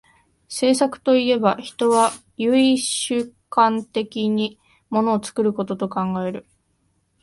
製作といえば、人は唯主観的に物を作ることと考える。